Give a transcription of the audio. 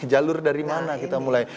jalur dari mana kita mulai